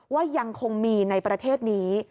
ว่ายังคงมีในประเทศนี้